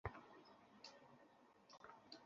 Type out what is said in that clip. গাছগুলোই বলে দেয় কোথায় খুঁজতে হবে।